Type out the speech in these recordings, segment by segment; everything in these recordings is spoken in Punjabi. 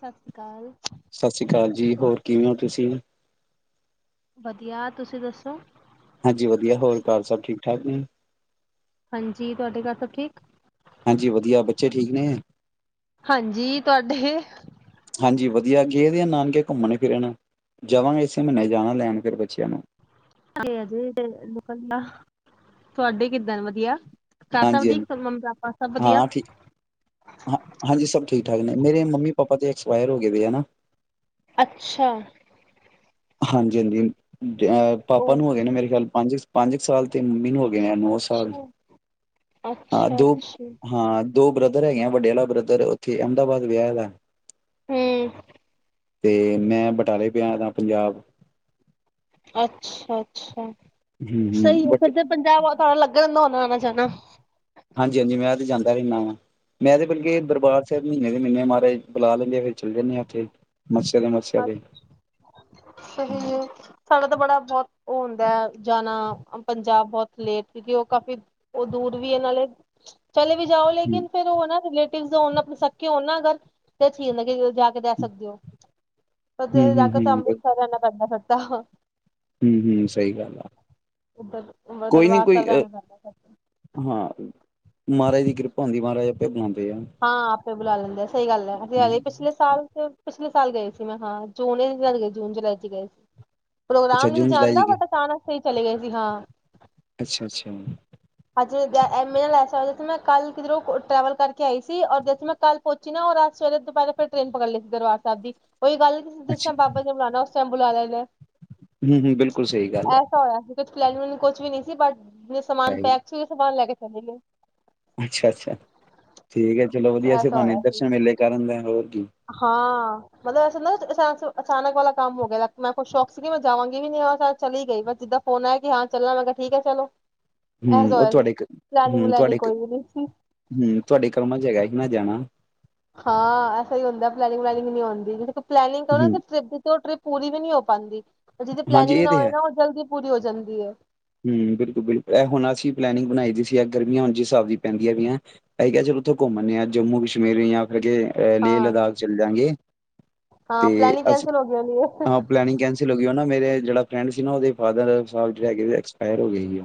ਸਤਿ ਸ਼੍ਰੀ ਅਕਾਲ, ਸਤਿ ਸ੍ਰੀ ਅਕਾਲ ਜੀ ਹੋਰ ਕਿਵੇਂ ਹੋ ਤੁਸੀਂ? ਵਧੀਆ ਤੁਸੀਂ ਦੱਸੋ, ਹਾਂਜੀ ਵਧੀਆ ਹੋਰ ਘਰ ਸਭ ਠੀਕ ਠਾਕ ਜੀ, ਹਾਂਜੀ ਤੁਹਾਡੇ ਘਰ ਸਭ ਠੀਕ, ਹਾਂਜੀ ਵਧੀਆ ਬੱਚੇ ਠੀਕ ਨੇ ਹੈ। ਹਾਂਜੀ ਤੁਹਾਡੇ, ਹਾਂਜੀ, ਵਧੀਆ ਗੇਦੇ ਆ ਨਾਨਕੇ ਘੁੰਮਣ ਫਿਰਨ ਜਾਵਾਂਗੇ, ਇਸੇ ਮਹੀਨੇ ਜਾਣਾ ਲੈਣ ਫਿਰ ਬੱਚਿਆਂ ਨੂੰ ਤੁਹਾਡੇ ਕਿੱਦਾਂ ਵਧੀਆ, ਘਰ ਸਭ ਹਾਂਜੀ-ਹਾਂਜੀ ਠੀਕ ਮੰਮੀ ਪਾਪਾ ਸਭ ਵਧੀਆ? ਹਾਂ ਠੀਕ ਹਾਂ ਹਾਂਜੀ ਸਭ ਠੀਕ-ਠਾਕ ਨੇ, ਮੇਰੇ ਮੰਮੀ ਪਾਪਾ ਤੇ ਐਕਸਪਾਇਰ ਹੋ ਗਏ ਹਨਾ, ਅੱਛਾ, ਹਾਂਜੀ-ਹਾਂਜੀ ਅਹ ਪਾਪਾ ਉਹ ਨੂੰ ਹੈਗੇ ਨੇ ਮੇਰੇ ਖਿਆਲ ਪੰਜ ਪੰਜ ਕੁ ਸਾਲ ਤੇ ਮੰਮੀ ਨੂੰ ਨੌ ਸਾਲ ਅੱਛਾ ਹਾਂ ਦੋ ਅੱਛਾ ਹਾਂ। ਦੋ ਬ੍ਰਦਰ ਹੈਗੇ, ਆ ਵੱਡੇ ਵਾਲਾ ਬ੍ਰਦਰ ਉੱਥੇ ਅਹਿਮਦਾਬਾਦ ਵਿਆਹਾ ਵ ਹੂੰ, ਤੇ ਮੈਂ ਬਟਾਲੇ ਪਿਆ ਦਾ, ਪੰਜਾਬ, ਅੱਛਾ-ਅੱਛਾ, ਹਮ ਹਮ ਸਹੀ ਆ ਬਟ ਫਿਰ ਜ ਪੰਜਾਹ ਦਾ ਲੱਗ ਜਾਂਦਾ ਹੋਣਾ, ਜਾਨਾ ਹਾਂਜੀ-ਹਾਂਜੀ ਮੈਂ ਤੇ ਜਾਂਦਾ ਰਹਿੰਦਾ ਵਾਂ ਮੈਂ ਤੇ ਬਤਲਬ ਕੇ ਦਰਬਾਰ ਸਾਹਿਬ ਮਹੀਨੇ ਦੇ ਮਹੀਨੇ ਮਹਾਰਜ ਬੁਲਾ ਲੈਂਦੇ ਆ ਫਿਰ ਚਲੇ ਜਾਂਦੇ ਹਾਂ ਉੱਥੇ ਮੱਸਿਆ ਦੇ ਮੱਸਿਆ ਅ ਤੇ ਸਹੀ ਹੈ, ਸਾਡਾ ਤਾਂ ਬੜਾ ਬਹੁਤ ਉਹ ਹੁੰਦਾ ਜਾਣਾ ਪੰਜਾਬ ਬਹੁਤ ਲੇਟ ਕਿਉਂਕਿ ਉਹ ਕਾਫੀ ਉਹ ਦੂਰ ਵੀ ਇਹਨਾਂ ਦੇ ਚਲੇ, ਵੀ ਜਾਓ ਲੇਕਿਨ ਫਿਰ ਉਹ ਨਾ ਰਿਲੇ ਆਪਨੇ ਸਕੇ ਹੋਣ ਨਾ ਅਗਰ ਤੇ ਠੀਕ ਲੱਗੇਗਾ। ਜਾ ਕੇ ਦੇ ਹੂੰ-ਹੂੰ-ਹੂੰ-ਹੂੰ ਸਕਦੇ ਹੋ, ਜਾ ਫੇਰ ਅੰਮ੍ਰਿਤਸਰ ਪਤਾ। ਹੂੰ-ਹੂੰ, ਸਹੀ ਗੱਲ ਆ। ਉੱਧਰ ਅੰਬਰ ਕੋਈ ਨਹੀਂ ਦਰਬਾਰ ਕੋਈ ਸਾਹਿਬ ਅ ਰਹਿਣਾ ਪੈਂਦਾ ਫਿਰ ਤਾਂ ਹਾਂ, ਮਹਾਰਾਜ ਦੀ ਕਿਰਪਾ ਹੁੰਦੀ ਮਹਾਰਾਜ ਆਪੇ ਬਲਾਉਦਾ ਹਾਂ, ਆਪੇ ਬੁਲਾ ਲੈਦੇ ਆ। ਸਹੀ ਗੱਲ ਹੈ ਐਸੀ ਹੈਗੇ, ਪਿਛਲੇ ਸਾਲ ਚ ਪਿਛਲੇ ਸਾਲ ਗਏ ਸੀ, ਮੈਂ ਹਾਂ ਜੂਨ ਗਏ ਜੂਨ ਜੁਲਾਈ ਚ ਗਏ ਸੀ। ਅੱਛਾ ਪ੍ਰੋਗਰਾਮ ਨਹੀਂ ਜੂਨ ਜਾਣ ਜੁਲਾਈ ਚ ਦਾ ਗਏ ਬਟ ਸਹੀ ਚਲੇ ਗਏ ਸੀ ਹਾਂ, ਅੱਛਾ-ਅੱਛਾ ਹਾਂਜੀ ਲੈ ਮੈਂ ਕੱਲ ਕਿਧਰ ਟਰੈਵਲ ਕਰਕੇ ਆਈ ਸੀ ਰ ਜਥੇ ਮੈਂ ਕੱਲ ਪਹਚੀ ਨਾ ਰਾ ਸਵੇਰੇ ਦੁਪਹਿ ਫਿਰ ਟ੍ਰੇਨ ਪਕੜ ਲਈ ਸੀ, ਦਰਬਾਰ ਸਾਹਿਬ ਦੀ। ਉਹੀ ਗੱਲ ਨੀ ਜਿਸ ਤਰਾ ਅੱਛਾ ਬਾਬਾ ਨੇ ਬੁਲਾਣਾ, ਸਭ ਬੁਲਾ ਲੈਦਾ, ਹੂੰ-ਹੂੰ, ਬਿਲਕੁਲ ਸਹੀ ਗੱਲ ਹੈ। ਪਲਾਨਿੰਗ ਕੁਛ ਵੀ ਨੀ ਸੀ ਬਟ ਸਮਾਨ ਪੈਕ, ਸੀ ਸਮਾਨ ਲੈ ਕੇ ਚੱਲੇ ਗਏ। ਅੱਛਾ-ਅੱਛਾ, ਠੀਕ ਹੈ ਚਲੋ ਵਧੀਆ ਸੀਂ ਐਸਾ ਭਾਵੇਂ ਹੋਇਆ ਸੀ ਦਰਸ਼ਨ ਮੇਲੇ ਕਰਨ ਦਾ ਹੋਰ ਕੀ ਹਾਂ ਮਤਲਬ, ਚਲੋ ਅਚਾਨਕ ਵਾਲਾ ਕੰਮ ਹੋ ਗਿਆ ਮੈਂ ਖੁਸ ਸ਼ੌਕ ਸੀਗੀ ਮੈਂ ਜਾਵਾਂਗੀ ਵੀ ਨ ਹ ਚਲੀ ਗਈ ਬਸ ਜਿੱਦਾਂ ਫੋਨ ਆਇਆ ਕਿ ਹਾਂ ਚੱਲਣਾ ਮੈਂ ਕਿਹਾ ਠੀਕ ਹੈ ਚਲੋ। ਐਸਾ ਹੂੰ, ਉਹ ਹੋਇਆ ਸੀ। ਤੁਹਾਡੇ ਇੱਕ ਪਲੈਨਿੰਗ ਹੂੰ ਤੁਹਾਡੇ ਵਲੈਨਿੰਗ ਇੱਕ ਕੋਈ ਵੀ ਨਹੀਂ ਸੀ। ਹੂੰ ਤੁਹਾਡੇ ਕਮਾਂ ਚ ਹੈਗਾ। ਕਿਨਾ ਜਾਣਾ। ਹਾਂ ਐਸਾ ਹੀ ਹੁੰਦਾ ਪਲੈਨਿੰਗ ਵਲੈਨਿੰਗ ਨਹੀਂ ਹੁੰਦੀ ਜਿ ਪਲੈਨਿੰਗ ਕਰਨਾ ਹੂੰ ਸੀ ਟਰਿਪ ਦੀ ਟਰਿਪ ਪੂਰੀ ਵੀ ਨਹੀਂ ਹੋ ਪਾਦੀ, ਹਾਂਜੀ, ਇਹ ਤੇ ਹੈ ਜਾਂਦੀ ਹੈ ਹੂੰ ਬਿਲਕੁਲ-ਬਿਲਕੁਲ ਇਹ ਹੋਣਾ ਸੀ। ਪਲੈਨਿੰਗ ਬਣਾਈ ਦੀ ਸੀ ਗਰਮੀਆਂ ਹੁਣ ਜਿਸ ਹਿਸਾਬ ਦੀ ਪੈਂਦੀਆਂ ਪਈਆਂ, ਅਸੀ ਕਿਆ, ਚੱਲ ਉੱਥੋਂ ਘੁੰਮਨੇ ਆ ਜੰਮੂ- ਕਸ਼ਮੀਰ ਯਾ ਕਰ ਲੇ- ਹਾਂ ਲਦਾਖ ਚੱਲ ਜਾਂਗੇ ਹਾਂ ਤੇ ਪਲੈਨਿੰਗ ਅਸੀਂ ਕੈਂਸਲ ਹੋ ਗਈ ਹੋਣੀ ਹਾਂ ਹੈ ਪਲੈਨਿੰਗ ਕੈਂਸ ਮੇਰੇ ਜਿਹੜਾ ਫਰੈਂਡ ਸੀ ਨਾ, ਉਹਦੇ ਫਾਦਰ ਸਾਹਿਬ ਜਿਹੜੇ ਹੈਗੇ ਐਕਸ ਐਕਸਪਾਈਰ ਹੋਗੇ ਸੀ,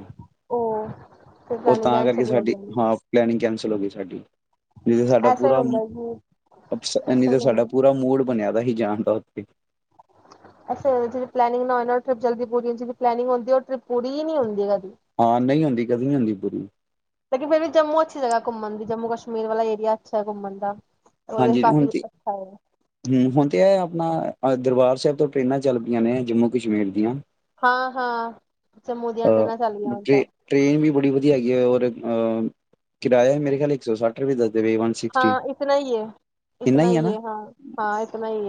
ਉਹ ਫਿਰ ਉਹ ਪਲੈਨਿੰਗ ਤਾਂ ਕਰਕੇ ਕੈਂਸਲ ਹੀ ਹੋ ਗਈ ਸਾਡੀ ਹੋਣੀ। ਹਾਂ ਪਲੈਨਿੰਗ ਚਲੋਗੀ ਸਾਡੀ, ਨਹੀਂ ਤੇ, ਸਾਡਾ ਐਸਾ ਹੀ ਪੂਰਾ ਹੁੰਦਾ ਜੀ ਨਹੀਂ ਐਸਾ ਤੇ ਹੀ ਹੁੰਦਾ ਸਾਡਾ ਪੂਰਾ ਮੂਡ ਬਣਿਆ ਪਹਿਲੇ ਜਾਣ ਦਾ ਉੱਥੇ ਜਿਹੜੀ ਪਲੈਨਿਂਗ ਨਾ ਉਹ ਟਿਪ ਜਲਦੀ ਪੂਰੀ ਜਦ ਪਲੈਨਿੰਗ ਹੂੰਦੀ, ਉਹ ਟਰਿਪ ਪੂਰੀ ਹੀ ਨਹੀਂ ਹੁੰਦੀ ਕਦੇ। ਹਾਂ ਨਹੀਂ ਹੁੰਦੀ। ਕਦੀ ਨੀ ਹੁੰਦੀ ਪੂਰੀ। ਲੇਕਿਨ ਫਿਰ ਵੀ ਜੰਮੂ ਅੱਛੀ ਜਗ੍ਹਾ ਘੁੰਮਣ ਦੀ ਜੰਮੂ ਕਸ਼ਮੀਰ ਵਾਲਾ ਏਰੀਆ ਅੱਛਾ ਹੈ, ਘੁੰਮਣ ਦਾ ਉਹਦੇ ਹਾਂਜੀ। ਹੁਣ ਕਾਫੀ ਤੇ, ਅੱਛਾ ਹੈ ਹੂੰ ਹੁਣ ਤੇ ਐ, ਆ। ਦਰਬਾਰ ਸਾਹਿਬ ਤੋਂ ਟ੍ਰਰੇਨਾਂ ਚੱਲ ਪਈਆਂ ਨੇ, ਜੰਮੂ ਕਸ਼ਮੀਰ ਦੀਆਂ। ਹਾਂ, ਹਾਂ ਜੰਮੂ ਦੀਆਂ ਅ ਟ੍ਰੇਨਾਂ ਚੱਲੀਆਂ ਹੁਣ ਟ੍ਰੇ ਤਾਂ, ਟ੍ਰੇਨ ਵੀ ਬੜੀ ਹੈਗੀ ਐ ਓਰ ਕਿਰਾਇਆ ਮੇਰੇ ਖਿਆਲ ਇੱਕ ਸੌ- ਸੱਠ ਰੁਪਏ ਥ੍ਰੀ-ਵੱਨ ਸਿਕਸਟੀ ਹਾਂ ਇਤਨਾ ਹੀ ਹੈ, ਹਾਂ- ਹਾਂ ਇਤਨਾ ਹੀ,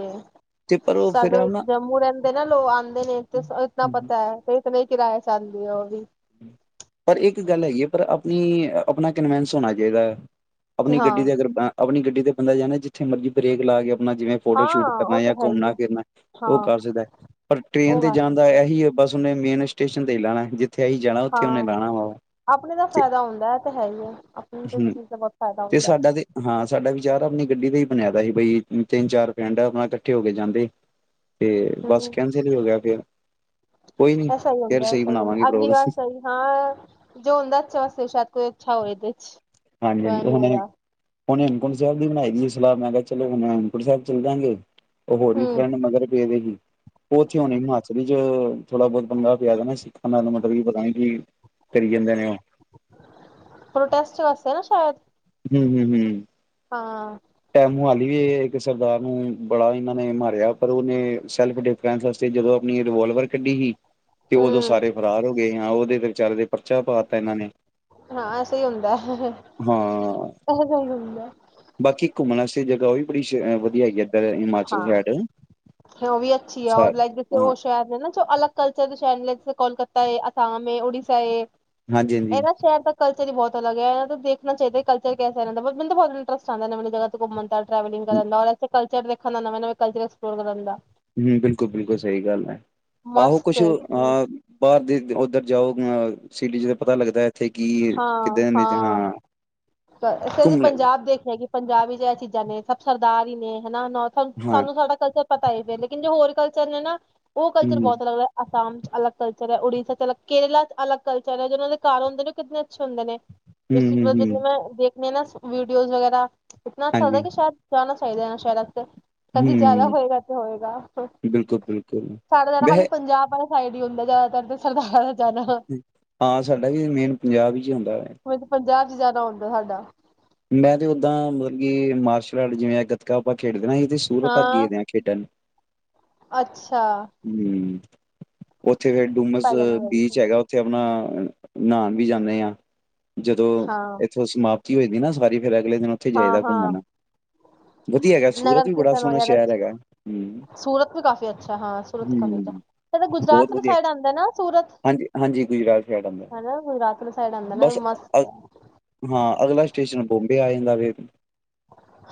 ਤੇ ਹੈ। ਪਰ ਉਹ ਸਾਡੇ ਫਿਰ ਨਾ ਜੰਮੂ ਰਹਿੰਦੇ ਨਾ ਲੋਕ ਆਦੇ ਨੇ ਤੇ ਇਤਨਾ ਪਤਾ ਹੈ ਤੇ ਇਤਨਾ ਕਿਰਾਇਆ ਜਾਦੀ ਉਹ ਵੀ ਪਰ ਇੱਕ ਗੱਲ ਹੈਗੀ ਏ, ਪਰ ਆਪਣੀ ਆਪਣਾ ਕਨਵਿੰਸ ਹੋਣਾ ਚਾਹੀਦਾ ਹੈ। ਕਿ ਆਪਣੀ ਹਾਂ ਗੱਡੀ ਦੇ ਅਗਰ ਆਪਣੀ ਗੱਡੀ ਤੇ ਬੰਦਾ ਜਾਂਦਾ, ਜਿੱਥੇ ਮਰਜ਼ੀ ਬ੍ਰੇਕ ਲਾ ਕੇ'- ਜਿਵੇਂ ਫੋਟੋ ਸ਼ੂਟ ਹਾਂ ਉਹ ਕਰਨਾ ਤਾਂ, ਹੈ ਹੀ ਘੁੰਮਣਾ ਹੈ ਫਿਰਨਾ ਉਹ ਹਾਂ ਕਰ ਸਕਦਾ, ਪਰ ਟ੍ਰੇਨ ਉਹ ਤੇ ਕਰ ਜਾਣ ਦਾ ਸਕਦੇ ਇਹੀ ਹੈ ਬਸ ਉਹਨੇ ਮੇਨ ਸਟੇਸ਼ਨ ਤੇ ਈ ਲਾਣਾ ਏ। ਜਿੱਥੇ ਅਹੀ ਜਾਣਾ, ਉੱਥੇ ਉਹਨੇ ਹਾਂ ਲਾਹਣਾ ਵਾ, ਆਪਣੇ ਦਾ ਤੇ ਫਾਇਦਾ ਹੁੰਦਾ ਹੈ ਤੇ ਹੈ ਹੀ ਹੈ ਆਪਣੀ ਤੇ ਹੂੰ ਚੀਜ਼ ਦਾ ਬਹੁਤ ਫਾਇਦਾ ਤੇ ਹੁੰਦਾ ਹੈ ਸਾਡਾ ਤੇ ਹਾਂ ਸਾਡਾ ਵਿਚਾਰ ਆਪਣੀ ਗੱਡੀ ਤੇ ਬਨਿਆਦਾ ਸੀ ਬਈ ਤਿੰਨ-ਚਾਰ ਪਿੰਡ ਆਪਣਾ ਇਕੱਠੇ ਹੋ ਕੇ, ਜਾਂਦੇ। ਤੇ, ਬਸ ਹਮ ਕੈਂਸਲ ਹੀ ਹੋ ਗਿਆ ਫਿਰ, ਕੋਈ ਨੀ ਐਸਾ ਹੀ ਫਿਰ ਹੁੰਦਾ ਸਹੀ ਐਸਾ ਹੀ ਬਣਾਵਾਂਗੇ। ਹੁੰਦਾ ਅਗਲੀ ਵਾਰ ਪ੍ਰੋਗਰਾਮ ਸਹੀ ਹਾਂ ਜੋ ਹੁੰਦਾ ਅੱਛੇ ਵਾਸਤੇ, ਸ਼ਾਇਦ ਕੋਈ ਅੱਛਾ ਹੋਵੇ ਇਹਦੇ ਚ ਹਾਂਜੀ ਹਾਂਜੀ ਤਾਹੀ ਨੀ ਹੁਣੇ ਹੋਇਆ, ਲਾ, ਮੈਂ ਕਿਹਾ ਚੱਲੋ ਅਨੰਦਪੁਰ ਸਾਹਿਬ ਚੱਲਜਾਂ ਗੇ। ਉਹ, ਹੋਰ ਵੀ ਹਮ ਪਿੰਡ ਮਗਰ ਪੇ ਦੇ ਸੀ, ਉਥੇ ਹਣੇ ਹਿਮਾਚਲ ਥੋੜਾ ਬਹੁਤ ਪੰਗਾ ਪਿਆ ਦਾ, ਨਾ ਸੀ। ਕੀ ਪਤਾ ਨੀ ਕੀ ਕਰੀ ਜਾਂਦੇ ਨੇ ਉਹ ਪ੍ਰੋਟੈਸਟ ਵਾਸਤੇ ਨਾ ਸ਼ਾਇਦ ਹੂੰ-ਹੂੰ-ਹੂੰ, ਹਾਂ ਟੈ ਮੋਹਾਲੀ ਏ। ਸਰਦਾਰ ਨੂੰ ਬੜਾ ਇਹਨਾਂ ਨੇ ਮਾਰਿਆ ਪਰ ਉਹਨੇ ਸੈਲਫ ਡਿਫੈਂਸ ਵਾਸਤੇ ਜਦੋਂ ਆਪਣੀ ਰਿਵਾਲਵਰ ਕੱਢੀ ਸੀ। ਤੇ ਉਦੋਂ ਹਮ ਸਾਰੇ ਫਰਾਰ ਹੋ ਗਏ ਆ ਉਹਦੇ ਚਾਰੇ ਦੇ, ਪਰਚਾ ਪਾ ਤਾ ਇਹਨਾਂ ਨੇ ਹਾਂ ਐਸਾ ਹੀ ਹੁੰਦਾ ਹੈ। ਹਾਂ। [unintelligible] ਘੁੰਮਣਾ ਵਾਸਤੇ ਉਹ ਵੀ ਬੜੀ ਅਹ ਵਧੀਆ ਹੈਗੀ ਇੱਧਰ ਹਿਮਾਚਲ ਹਾਂ ਸਾਈਡ ਉਹ ਵੀ ਅੱਛੀ ਆ ਲਾਈਕ ਜੇ ਹਾਂ ਉਹ ਸ਼ਹਿਰ ਕੋਲਕਾਤਾ ਏ ਅਸਾਮ ਏ ਉੜੀਸਾ ਏ ਹਾਂਜੀ ਹਾਂਜੀ ਇਹਨਾਂ ਸ਼ਹਿਰ ਦਾ ਕਲਚ ਤੇਰੀ ਬਹੁਤ ਅਲਗ ਦੇਖਣਾ ਚਾਹੀਦਾ ਕਲ ਤਕ ਟਰੈਵਿੰਗ ਕਰਨ ਤੇ ਕਲ ਜਦ ਵੇਖਣ ਨੂੰ ਨਵੇਂ ਨਵੇਂ ਕਲਚਰ ਪ੍ਰੋਗਰਾਮ ਦਾ ਹਮ ਬਿਲਕੁਲ ਬਿਲਕੁ ਸਹੀ ਗੱਲ ਹੈ ਆਹੋ ਮਸਤ ਕੁਛ ਹੈ ਜੀ, ਆ ਬਾਹਰ ਦੇ ਉੱਧਰ ਜਾਓ ਸਿਟੀ ਚ ਤੇ ਪਤਾ ਲੱਗਦਾ ਇੱਥੇ ਕੀ ਹਾਂ ਹਾਂ ਘੁੰਮਣ ਪੰਜਾਬ ਦੇਖਿਆ ਕਿ ਪੰਜਾਬ ਵਿੱਚ ਇਹ ਚੀਜ਼ਾਂ ਨੇ ਸਭ ਸ ਦਾਰ ਹੀ ਨੇ ਹਨਾ ਹਾਂ ਸਾਨੂੰ ਸਾਡਾ ਕਲਚਰ ਪਤਾ ਹੀ ਫੇਰ ਕਿੰਜ ਹੋਰ ਚਨ ਨਾ ਉਹ ਕਲਚਰ ਹਮ ਬਹੁਤ ਅੱਗ ਅਸਾਮ ਚ ਅਲੱਗ ਕਲਚਰ ਹੈ ਉੜੀਸਾ ਚ ਅਲੱਗ ਕੇਰਲਾ ਚ ਅਲੱਗ ਕਲਚਰ ਹੈ ਜਿ ਉਹਨਾਂ ਦੇ ਘਰ ਹੁੰਦੇ ਨੇ ਨ ਚੋਂਦ ਨੇ ਹਮ ਤੁਸੀਂ ਹਮ ਹਮ ਜਦੋਂ ਦੇਖ ਨਹੀਂ ਨਾ ਵੀਡੀਓਜ਼ ਵਗੈਰਾ ਇਤਨਾ ਅੱਛਾ ਹਾਂਜੀ ਤਾਂ ਕਿ ਸ਼ਾਇਦ ਜਾਨਾ ਚਾਹੀਦੇ ਆ ਸ਼ਹਿਰ ਤੇ ਕਦੀ ਜ਼ਿਆਦਾ ਹਮ ਹੋਏਗਾ ਤੇ ਹੋਏਗਾ ਬਿਲਕੁਲ ਬਿਲਕੁਲ ਵੈਸੇ ਸਾਈਡ ਹੀ ਹੁੰਦਾ ਜ਼ਿਆਦਾਤਰ ਤੇ ਸਰਦਾਰ ਹਾਂ ਸਾਡਾ ਵੀ ਮੇਨ ਪੰਜਾਬ ਹੀ ਉੰਝ ਪੰਜਾਬ ਜ਼ਿਆਦਾ ਹੁੰਦਾ ਸਾਡਾ ਮੈਂ ਤੇ ਓਦਾਂ ਮਤਲਬ ਕਿ ਮਾਰਸ਼ਲ ਆਰਟ ਜਿਵੇਂ ਗੱਤਕਾ ਆਪਾਂ ਖੇਡਦੇ ਸੂਰਤ ਤੱਕ ਹਾਂ ਗੇਦੇ ਆ ਖੇਡਣ ਅੱਛਾ ਹਮ ਉੱਥੇ ਫਿਰ ਡੁਮਸ ਪਹਿਲੇ ਮੈਂ ਗਈ ਬੀਚ ਸੀ ਹੈਗਾ ਉੱਥੇ ਆਪਣਾ ਨ ਨਾ ਜਦੋਂ ਹਾਂ ਇੱਥੋਂ ਸਮਾਪਤੀ ਹੋਵੇਗੀ ਨਾ ਸੋਵੜੀ ਫਿਰ ਅਗਲੇ ਦਿਨ ਉੱਥੇ ਹਾਂ ਜਾਏਦਾ ਹਾਂ ਨਗਰ ਕੀਰਤਨ ਵਗੈਰਾ ਸੂਰਤ ਵੀ ਕਾਫੀ ਅੱਛਾ ਹਾਂ ਸੂਰਤ ਕਾਫੀ ਅੱਛਾ ਤੇ ਗੁਜਰਾਤ ਵਾਲੀ ਸਾਈਡ ਆਉਂਦਾ ਨਾ ਸੂਰਤ ਹਨਾ ਗੁਜਰਾਤ ਵਾਲੀ ਸਾਈਡ ਆਉਂਦਾ ਨਾ ਮਸਤ ਹੈ ਕਿਸੇ ਨੁੰ ਬੋਬੇ ਆ ਜਾਂਦਾ ਵੇ,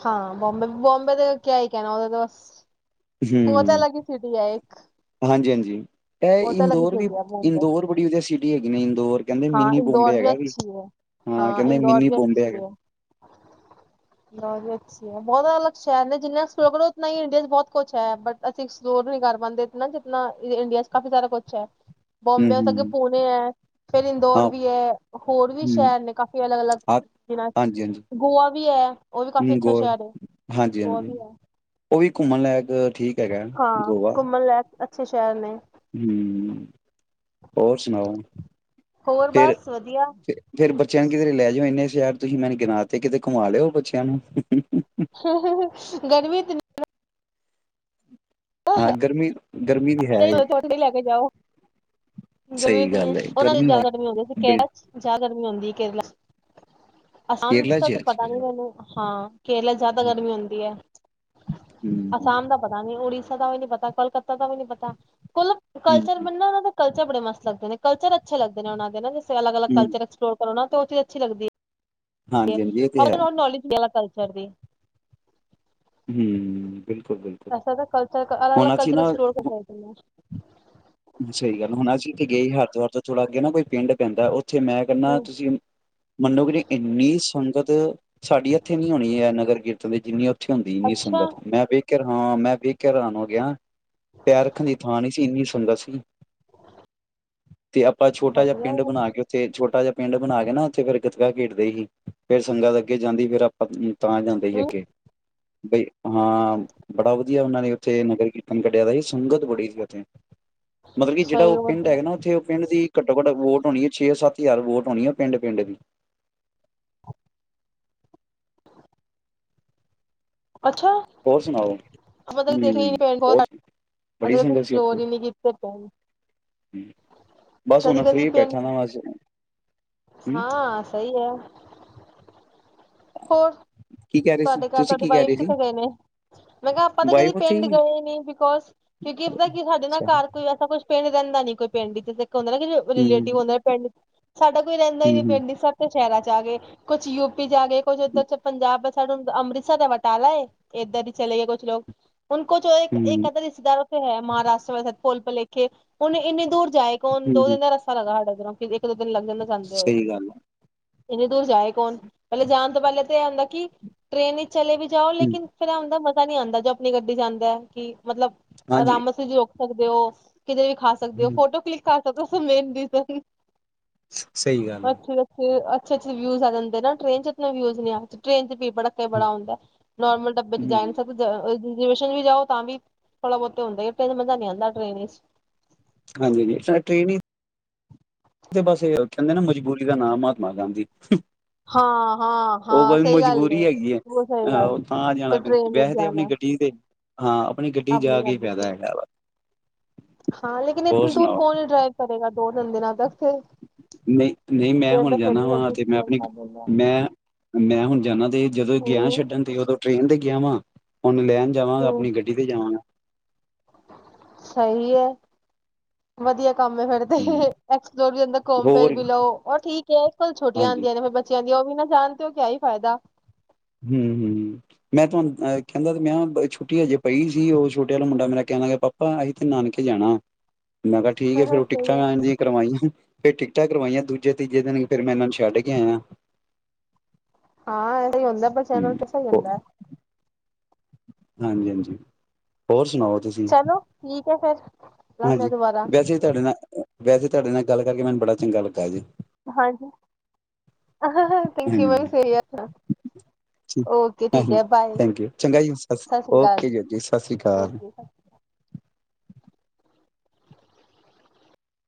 ਹਾਂ ਬੋਬੇ-ਬੋਬੇ ਤੇ ਕਿਆ ਹੀ ਕਹਿਣਾ ਉਹਦੇ ਤੇ ਬਸ- ਹੂੰ, ਹਾਂਜੀ-ਹਾਂਜੀ ਇਹ ਇੰਦੋਰ ਵੀ ਇੰਦੋਰ ਬੜੀ ਵਧੀਆ ਸੀ ਹੈ ਹਾਂ ਇੰਦੌਰ ਵੀ ਅੱਛੀ ਹੈ ਹਾਂ ਕਹਿੰਦੇ ਇੰਦੌਰ ਮਿੰਨੀ ਵੀ ਬੋਂਬੇ ਅੱਛੀ ਹੈਗਾ ਹੈ ਇੰਦੌਰ ਵੀ ਅ ਜਿੰਨਾ ਉਹਨਾ ਹੀ ਇੰਡੀਆ ਚ ਬਹੁਤ ਕੁਛ ਹੈ ਬਟ ਅਸੀਂ ਐਕਪਲੋਰ ਨੀ ਕਰ ਪਾਉਂਦੇ ਜਨਾ ਇੰਡੀਆ ਚ ਕਾਫੀ ਸਾਰਾ ਕੁਛ ਹੈ। ਹੂੰ ਬੋਬੇ ਕਦੇ ਹੂੰ ਪੁਣੇ ਹੈ। ਫਿਰ ਹਾਂ ਇੰਦੋਰ ਵੀ ਹੈ ਹੋਰ ਵੀ ਹੂੰ ਸ਼ਹਿਰ ਨੇ ਕਾਫੀ ਅਲੱਗ-ਅਲੱਗ ਹਾਂ ਜਿਨਾਂ ਹਾਂਜੀ ਹਾਂਜੀ ਗੋਆ ਵੀ ਹੈ ਉਹ ਵੀ ਕਾਫ਼ੀ ਹੂੰ ਅੱਛਾ ਗੋਲ ਸ਼ਹਿਰ ਹੈ ਹਾਂਜੀ ਗੋਆ ਹਾਂਜੀ ਵੀ ਹੈ, ਉਹ ਵੀ ਘੁੰਮਣ ਲਾਇਕ ਠੀਕ ਹੈਗਾ ਹਾਂ ਘੁੰਮਣ ਲੈ ਅੱਛੇ ਸ਼ਹਿਰ ਨੇ ਹੂੰ ਹੋਰ ਸੁਣਾਓ ਹੋਰ ਫੇਰ ਬਸ ਵਧੀਆ ਫੇਰ ਬੱਚਿਆਂ ਨੂੰ ਕਿਧਰੇ ਲੈ ਜਾਓ ਇੰਨੇ ਯਾਰ ਤੁਸੀਂ ਮੈਨੂੰ ਗਿਣਾ ਤੇ ਕਿਤੇ ਘੁਮਾ ਲਿਓ ਬੱਚਿਆਂ ਨੂੰ ਗਰਮੀ ਤੇ ਹਾਂ ਗਰਮੀ ਗਰਮੀ ਵੀ ਹੈ ਹੀ, ਲੈ ਕੇ ਜਾਓ। ਗਰਮੀ ਸਹੀ ਦੀ ਗੱਲ ਹੈ ਉਹਨਾਂ ਦੀ ਹੈ ਜ਼ਿਆਦਾ ਗਰਮੀ ਆਉਂਦੀ ਸੀ ਕਿਹਿੜਾ ਬਿਲਕੁਲ ਚ ਜ਼ਿਆਦਾ ਗਰਮੀ ਆਉਂਦੀ। ਕੇਰਲਾ ਅਸਾਮ ਚ ਕੇਰਲਾ ਤਾਂ ਪਤਾ ਨੀ ਹਮ ਮੈਨੂੰ ਹਾਂ ਕੇਰਲਾ ਚ ਜ਼ਿਆਦਾ ਗਰਮੀ ਹੁੰਦੀ ਹੈ ਅਸਾਮ ਦਾ ਪਤਾ ਨੀ ਉੜੀ ਦਾ ਵੀ ਨੀ ਪਤਾ ਕੋਲਕੱਤਾ ਦਾ ਵੀ ਨੀ ਪਤਾ। [unintelligible] ਕੁਲ ਕਲਚਰ ਹਮ ਬਣਨਾ ਉਹ ਦਾ ਕਲ ਚ ਬੜੇ ਮਸਤ ਲੱਗਦੇ ਨੇ, ਕਲਚਰ ਅੱਛ ਲੱਗਦੇ ਨੇ ਉਹਨਾਂ ਨੇ ਜ ਅਲਗ-ਅਲਗ ਐਕਸਪਲੋਰ ਨਾ ਉਹ ਚੀਜ਼ ਅੱਛੀ ਲੱਗਦੀ ਹੈ। ਹਾਂਜੀ ਹਾਂਜੀ ਇਹ ਤੇ ਹੈ [unintelligible] ਸਰਦੀ, ਹੂੰ, ਬਿਲਕੁਲ-ਬਿਲਕੁਲ ਐਸਾ ਤਾਂ ਕਲਚਰ ਅਲੱਗ ਅਲੱਗ ਹੁਣ ਸੀ ਕਲਚਰ ਨਾ, ਐਕਸਪਲੋਰ ਕਰ ਸਕਦੇ ਸਹੀ ਗੱਲ ਹੁਣ ਅਸੀਂ ਗਏ ਹਰਿਦੁਆਰ ਤੋਂ ਥੋੜਾ ਅੱਗੇ ਨਾ ਕੋਈ ਪਿੰਡ ਪੈਦਾ, ਉੱਥੇ ਮੈਂ ਕਹਿੰਦਾ ਹੂੰ ਤੁਸੀਂ ਮੰਨੋ ਕਿ ਇੰਨੀ ਸੰਗਤ ਸਾਡੀ ਇੱਥੇ ਨੀ ਹੋਣੀ ਹੈ, ਨਗਰ ਕੀਰਤਨ ਦੀ ਜਿੰਨੀ ਹੁੰਦੀ ਇਹਨੀਂ ਅੱਛਾ ਸੰਗਤ, ਮੈਂ ਵੇਖ ਕੇ ਹੈਰਾ- ਹਾਂ ਮੈਂ ਵੀ ਕੇ ਹੈਰਾਨ ਹੋ ਗਿਆ। ਪੈਰ ਰੱਖਣ ਦੀ ਥਾਂ ਨਹੀਂ ਸੀ ਇੰਨੀ ਸੰਗ ਸੰੰਗਤ ਸੀ। [unintelligible] ਤੇ ਆਪਾਂ ਛੋਟਾ ਜਿਹਾ ਵਧੀਆ ਪਿੰਡ ਬਣਾ ਕੇ ਉੱਥੇ ਛੋਟਾ ਜਿਹਾ ਪਿੰਡ ਬਣਾ ਕੇ ਨਾ ਉੱਥੇ ਫੇਿਰ ਗਤਕਾ ਖੇਡਦੇ ਸੀ ਫੇਿਰ ਸੰਗਤ ਅੱਗੇ ਜਾਂਦੀ ਫਿਰ ਆਪ ਤਾਂ ਜਾਂਦੇ ਸੀ ਹੂੰ ਅੱਗੇ। ਬਈ ਹਾਂ ਬੜਾ ਵਧੀਆ ਉਹਨਾਂ ਨੇ ਉੱਥੇ ਨਗਰ ਕੀਰਤਨ ਕੱਢਿਆ ਸੀ ਸੰਗਤ ਬੜੀ ਸੀ ਉੱਥੇ ਮਤਲਬ ਕਿ ਜਿਹੜਾ ਸਹੀ ਉਹ ਪਿੰਡ ਵਧੀਆ ਹੈਗਾ ਨਾ ਉੱਥੇ ਉਹ ਪਿੰਡ ਦੀ ਘੱਟੋ ਘੱਟ ਵੋਟ ਹੋਣੀ ਹੈ ਛੇ ਸੱਤ ਹਜ਼ਾਰ ਵੋਟ ਹੋਣੀ ਹੈ ਪਿੰਡ ਪਿੰਡ ਦੀ। ਅੱਛਾ ਹੋਰ ਸੁਣਾਓ ਮਤਲਬ ਦੇਖੀਏ ਬਹੁਤ ਬੜੀ ਅਗਰ ਆਪਾ ਸੰਗਤ ਸੀ ਉੱਥੇ ਐਸਪਲੋਰ ਹੀ ਨਹੀਂ ਕੀਤੇ ਪ ਬਸ ਕਦੀ ਹੁਣ ਕਦੀ ਫ੍ਰਰੀ ਫੇਰ ਬੈਠਾ ਨਾ ਬਸ ਹੂੰ ਹਾਂ ਸਹੀ ਹੈ। ਹੋਰ ਕੀ ਕਹਿ ਰਹੇ ਸੀ ਤੁਹਾਡੇ ਘਰ ਤੁਸੀਂ ਤੁਹਾਡੀ ਕੀ ਕਹਿ ਵਾਈਫ ਰਹੇ ਸੀ ਕਿੱਥੇ ਗਏ ਨੇ? ਮੈਂ ਕਿਹਾ ਆਪਾਂ ਤਾਂ ਕਦੇ ਵਾਈਫ ਉੱਥੇ ਪਿੰਡ ਹੀ ਹੈ? ਗਏ ਨੀ ਬਿਕੋਜ ਕਿਉਂਕਿ ਏਦਾਂ ਕਿ ਸਾਡੇ ਨਾਲ ਅੱਛਾ ਹੂੰ ਘਰ ਕੋਈ ਐਸਾ ਕੁਛ ਪਿੰਡ ਰਹਿੰਦਾ ਨਹੀਂ ਕੋਈ ਪਿੰਡ ਚ ਤੇ ਹੁੰਦਾ ਨਾ ਜਿਵੇਂ ਰਿਲੇਟਿਵ ਹੂੰ ਹੁੰਦਾ ਪਿੰਡ ਸਾਡਾ ਕੋਈ ਰਹਿੰਦਾ ਹੀ ਨੀ ਹੂੰ ਪਿੰਡ ਸਭ ਤੇ ਸ਼ਹਿਰਾਂ ਚ ਆ ਗਏ ਕੁਛ ਯੂਪੀ ਜਾ ਗਏ ਕੁੱਝ ਉੱਧਰ ਚ ਪੰਜਾਬ ਸਾਨੂੰ ਤਾਂ ਅੰਮ੍ਰਿਤਸਰ ਦਾ ਬਟਾਲਾ ਏ ਇੱਧਰ ਹੀ ਚਲੇ ਗਏ ਕੁਛ ਲੋਕ ਹੁਣ ਕੋ ਜੋਂ ਏਕ ਹੂੰ ਇਧਰ ਰਿਸ਼ਤੇਦਾਰੋ ਚੋ ਹੈ ਮਹਾਰਾਸ਼ਟਰ ਵ ਸ ਭੁੱਲ ਭਲੇਖੇ ਹੁਣ ਇੰਨੇ ਦੂਰ ਜਾਏ ਕੌਣ? ਹੂੰ, ਦੋ ਹੂੰ। ਦਿਨ ਦਾ ਰਸਤਾ ਲੱਗਣਾ ਸਾਡੇ ਏਡਰੋ ਇੱਕ ਦੋ ਦਿਨ ਲੱਗ ਨਾ ਜਾਂਦੇ ਹੋਏ ਸਹੀ ਗੱਲ ਆ ਇੰਨੀ ਦੂਰ ਜਾਏ ਕੌਣ ਪਹਿਲੇ ਜਾਣ ਤੋਂ ਪਹਿਲੇ ਤੇ ਇਹ ਹੁੰਦਾ ਕਿ ਟ੍ਰੇਨ ਚ ਚਲੇ ਵੀ ਜਾਓ ਹੂੰ ਲੇਕਿਨ ਫੇਰ ਏਹ ਆਉਂਦਾ ਮਜ਼ਾ ਨਹੀਂ ਆਂਦਾ ਜੋ ਆਪਣੀ ਗੱਡੀ ਚ ਜਾਂਦਾ ਕਿ ਮਤਲਬ ਹਾਂਜੀ ਆਰਾਮ ਨਾਲ ਅਸੀਂ ਜੋ ਸਕਦੇ ਹੋ ਕਿਤੇ ਵੀ ਖਾ ਸਕਦੇ ਹੋ ਹੂੰ ਫੋਟੋ ਕਲਿੱਕ ਕਰ ਸਭ ਤੋਂ ਮੇਨ ਰਿਜਨ ਸਹੀ ਗੱਲ ਆ ਅੱਛਾ ਅੱਛਾ ਅ ਅੱੇ ਅੇ ਵਿਊ ਆ ਜਾਂਦੇ ਨਾ ਟਰੇਨ ਚ ਇਤਨਾ ਵਿਊਜ਼ੀ ਆ ਟ੍ਰੇ ਚਚ ਪੜ ਹੂੰ ਬੜਾ ਹੁੰਦਾ ਨੋਰਮਲ ਡੱਬੇ ਚ ਜਾ ਨੀ ਸਕਦੇ ਰੀਜਵੇਸਹ ਵੇ ਵੀ ਜਾਓ ਤਾਂ ਵੀ ਥੋੜਾ ਬਹੁਤੇ ਹੁੰਦਾ ਹੈ ਟਨ ਮਜ਼ਾ ਨੀ ਆਉਂਦਾ ਟ੍ਰਰੇਨ ਵਿੱਚ ਹਾਂਜੀ ਹਾਂਜੀ ਟ੍ਰੇਨ ਹੀ ਤੇ ਬਸ ਕਹਿੰਦੇ ਨਾ ਮਜਬੂਰੀ ਦਾ ਨਾਂ ਮਹਾਤਮਾ ਗਾਂਧੀ ਹਾਂ ਹਾਂ ਉਹ ਹਾਂ ਬਾਈ ਸਹੀ ਗੱਲ ਹੈ ਮਜਬੂਰੀ ਹੈਗੀ ਉਹ ਸਹੀ ਆਹੋ ਗੱਲ ਉਹ ਤਾਂ ਤੇ ਜਾਣਾ ਟ੍ਰੇਨ ਪੈਂਦਾ ਵਿੱਚ ਵੈਹੇ ਆਪਣੀ ਜਾਣਾ ਗੱਡੀ ਤੇ ਹਾਂ ਆਪਣੀ ਗੱਡੀ ਜਾ ਕੇ ਫੈਦਾ ਹੈਗਾ ਵਾ ਹਾਂੇਲੇਕਿਨ ਹੋਰ ਇਤਨੀ ਦੂਰ ਸੁਣਾਓ ਕੋੌਣ ਡਰਾਈਵ ਕਰੇਗਾ ਦੋ ਤਿੰਨ ਦਿਨਾਂ ਤੱਕ ਫਿਰ ਨਹੀਂ ਨਹੀਂ ਮੈਂ ਟ੍ਰੇਨ ਹੁਣ ਤਾਂ ਫਿਰ ਜਾਨਾ ਵੀ ਵਾਂ ਜਲਦੀ ਤੇ ਮੈਂ ਐਕਸਪਲੋਰ ਆਪਣੀ ਕਰ ਲੈਂਦਾ ਮੈਂ ਮੈਂ ਹੁਣ ਜਾਨਾ ਤੇ ਜਦੋਂ ਗਿਆ ਹੂੰ ਛੱਡਣ ਤੇ ਉਦੋਂ ਟ੍ਰੇਨ ਦੇ ਗਿਆ ਵਾਂ ਉਹਨੂੰ ਲੈਣ ਜਾਵਾਂ ਹੂੰ ਆਪਣੀ ਗੱਡੀ ਤੇ ਜਾਵਾਂਗਾ ਸਹੀ ਹੈ ਵਧੀਆ ਕੰਮ ਫੇਿਰ ਤੇ ਹੂੰ ਐਕਸਪਲੋਰ ਵੀ ਜਾਂਦਾ ਘੁੰਮ ਫਿਰ ਹੋਰ ਵੀ ਲਓ ਉਹ ਠੀਕ ਹੈ ਕੋਲ ਹਾਂਜੀ ਛੁੱਟੀਆਂਹੁੰਦੀਆਂ ਨੇ ਫਿਰ ਬੱਚਿਆਂ ਦੀਆਂ ਉਹ ਵੀ ਨਾ ਜਾਣਦੇ ਹੋ ਕਿਆ ਹੀ ਫਾਇਦਾ ਹਮ ਹਮ ਮੈਂ ਤੁਹਾਨੂੰ ਅਹ ਕਹਿੰਦਾ ਮੈਂ ਛੁੱਟੀ ਹਜੇ ਪਈ ਸੀ ਉਹ ਛੋਟੇ ਵਾਲਾ ਮੁੰਡਾ ਮੇਰਾ ਕਹਿਣ ਲੱਗਾ ਪਾਪਾ ਅਸੀਂ ਤੇ ਨਾਨਕੇ ਜਾਣਾ ਮੈਂ ਕਿਹਾ ਠੀਕ ਸਹੀ ਆ ਫਿਰ ਉਹ ਟਿਕਟਾਂ ਹੈ ਆ ਦੀਆਂ ਕਰਵਾਈਆਂ ਫੇਿਰ ਟਿਕਟਾਂ ਕਰਵਾਈਆਂ ਦੂਜੇ ਤੀਜੇ ਦਿਨ ਫੇਿਰ ਮੈਂ ਇਹਨਾਂ ਨੂੰ ਛੱਡ ਕੇ ਆਇਆ ਹਾਂ ਸਹੀ ਹੁੰਦਾ ਪਰ ਚੈ ਤੇ ਸਹੀ ਹੂੰ ਹੁੰਦਾ ਹਾਂਜੀ ਹਾਂਜੀ ਹੋਰ ਸੁਣਾਓ ਤੁਸੀਂ ਚਲੋ ਠੀਕ ਹੈ ਫੇਰ ਹਾਂਜੀ ਵੈਸੇ ਤੁਹਾਡੇ ਨਾਲ ਵੈਸੇ ਤੁਹਾਡੇ ਨਾਲ ਗੱਲ ਕਰਕੇੈ ਨਬੜਾ ਚੰਗਾ ਲੱਗਾ ਜੀ ਹਾਂਜੀ ਥੈਂਕੂ ਮੈ ਹਾਂਜੀ, ਸਹੀ ਠੀਕ ਓਕੇ ਠੀਕ ਹਾਂਜੀ, ਹੈ ਬਾਏ ਥੈਂਕ ਯੂ ਚੰਗਾ ਜੀ ਸਤਿ ਸ੍ਰੀ ਅਕਾਲ ਓਕੇ ਜੀ ਓਕੇ ਸਤਿ ਸ਼੍ਰੀ ਅਕਾਲ। ਓਕੇ